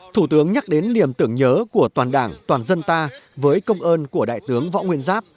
thủ tướng nhắc đến niềm tưởng nhớ của toàn đảng toàn dân ta với công ơn của đại tướng võ nguyên giáp